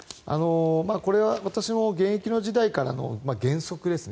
これは私の現役時代からの原則ですね。